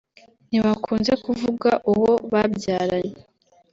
ntibakunze kuvuga uwo babyaranye